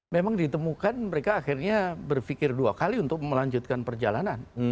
memang ditemukan mereka akhirnya berpikir dua kali untuk melanjutkan perjalanan